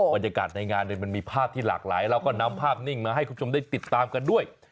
บรรยากาศในงานมันมีภาพที่หลากหลายเราก็นำภาพนิ่งมาให้คุณผู้ชมได้ติดตามกันด้วย